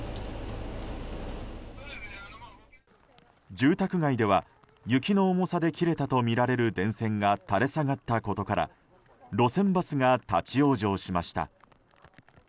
住宅街では雪の重さで切れたとみられる電線が垂れ下がったことから路線バスが立ち往生しました。